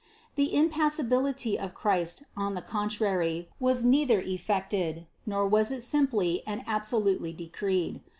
The impassibility of Christ on the contrary was neither effected, nor was it simply and absolutely decreed.